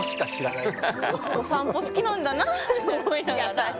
お散歩好きなんだなって思いながら。